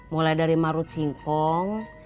mulai dari marut singkong